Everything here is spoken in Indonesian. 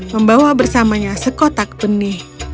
membawa bersamanya sekotak benih